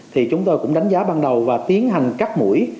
thì chúng tôi cũng đánh giá ban đầu và tiến hành cắt mũi